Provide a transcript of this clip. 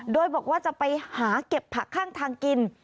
โดยบอกว่าจะไปหาเก็บผักข้างทางกิน